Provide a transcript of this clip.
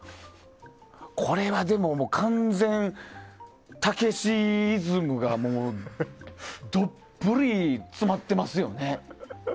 これは、でも完全たけしイズムがどっぷり詰まってますよね。